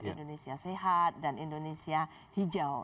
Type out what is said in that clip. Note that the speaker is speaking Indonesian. indonesia sehat dan indonesia hijau